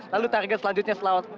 lalu target selanjutnya selalu apa